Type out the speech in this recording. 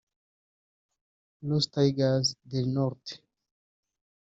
Los Tigres Del Norte